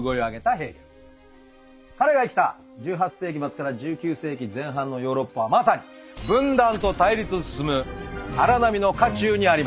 彼が生きた１８世紀末から１９世紀前半のヨーロッパはまさに分断と対立進む荒波の渦中にありました。